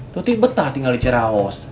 tuti betah tinggal di cerahos